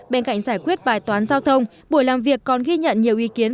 bên cạnh giải quyết bài toán giao thông buổi làm việc còn ghi nhận nhiều ý kiến